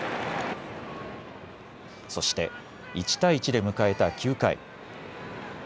そして１対１で迎えた９回。